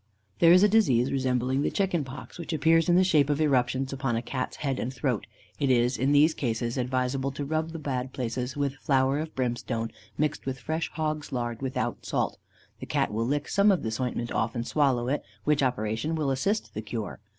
There is a disease resembling the chicken pox, which appears in the shape of eruptions upon a Cat's head and throat. It is, in these cases, advisable to rub the bad places with flour of brimstone mixed with fresh hog's lard, without salt. The Cat will lick some of this ointment off, and swallow it, which operation will assist the cure.